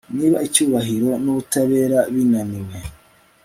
niba icyubahiro n'ubutabera binaniwe